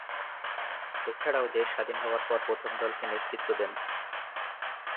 এছাড়াও, দেশ স্বাধীন হবার পর প্রথম দলকে নেতৃত্ব দেন।